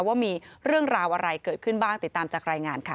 ว่ามีเรื่องราวอะไรเกิดขึ้นบ้างติดตามจากรายงานค่ะ